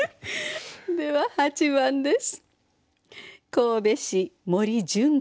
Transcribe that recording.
では８番です。